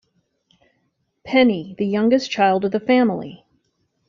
Penny: The youngest child of the family.